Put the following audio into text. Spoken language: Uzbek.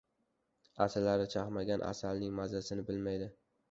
• Asalari chaqmagan asalning mazasini bilmaydi.